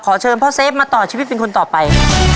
เชิญพ่อเซฟมาต่อชีวิตเป็นคนต่อไป